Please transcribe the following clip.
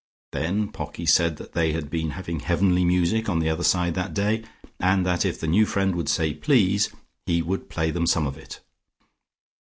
Then Pocky said that they had been having heavenly music on the other side that day, and that if the new friend would say "Please" he would play them some of it.